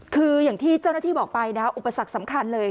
คืออย่างที่เจ้าหน้าที่บอกไปนะอุปสรรคสำคัญเลย